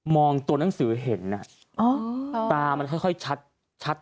มองตัวหนังสือเห็นน่ะอ๋ออ๋อตามันค่อยค่อยชัด